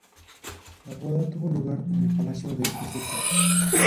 La boda tuvo lugar en el palacio de St.